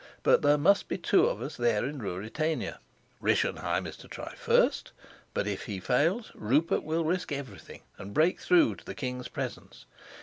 But there must be two of us there in Ruritania. Rischenheim is to try first; but if he fails, Rupert will risk everything and break through to the king's presence.